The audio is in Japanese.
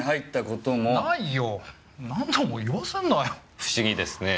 不思議ですねぇ。